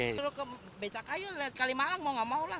lalu ke becakayu lihat kalimalang mau gak mau lah